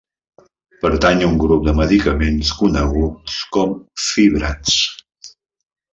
Pertany a un grup de medicaments coneguts com fibrats.